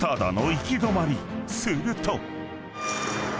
［すると］